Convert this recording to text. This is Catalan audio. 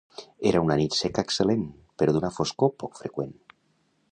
Era una nit seca excel·lent, però d'una foscor poc freqüent.